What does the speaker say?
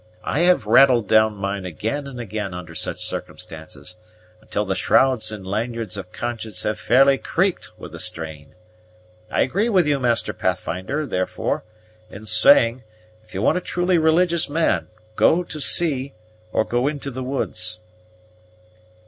I have rattled down mine again and again under such circumstances, until the shrouds and lanyards of conscience have fairly creaked with the strain. I agree with you, Master Pathfinder, therefore, in saying, if you want a truly religious man, go to sea, or go into the woods."